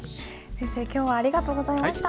先生今日はありがとうございました。